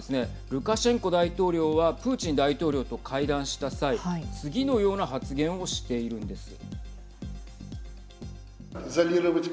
ルカシェンコ大統領はプーチン大統領と会談した際次のような発言をしているんです。